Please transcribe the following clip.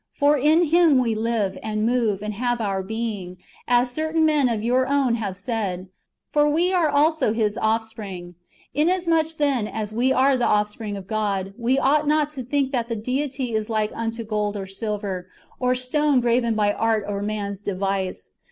For in Him we live, and move, and have our being, as certain men of your own have said, For we are also His offspring. Liasmuch, then, as we are the offspring of God, we ought not to think that the Deity is like unto gold or silver, or stone graven by art or man's device.